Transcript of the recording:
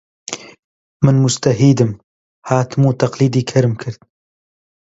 من موجتەهیدم، هاتم و تەقلیدی کەرم کرد